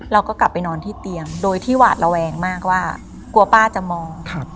เราก็กลับไปนอนที่เตียงโดยที่หวาดระแวงมากว่ากลัวป้าจะมอง